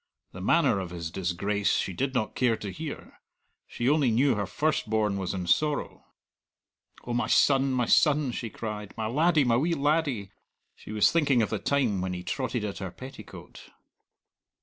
The manner of his disgrace she did not care to hear; she only knew her first born was in sorrow. "Oh, my son, my son," she cried; "my laddie, my wee laddie!" She was thinking of the time when he trotted at her petticoat.